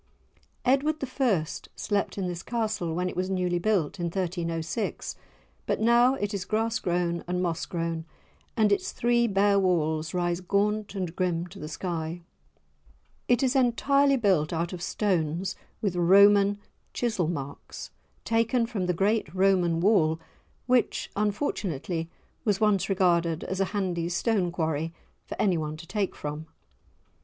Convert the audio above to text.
Edward I. slept in this Castle when it was newly built, in 1306; but now it is grass grown and moss grown, and its three bare walls rise gaunt and grim to the sky. It is entirely built out of stones with Roman chisel marks, taken from the great Roman wall, which unfortunately was once regarded as a handy stone quarry for anyone to take from.